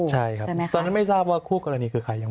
ใช่ครับตอนนั้นไม่ทราบว่าคู่กรณีคือใครยังไง